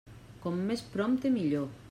Com més prompte millor.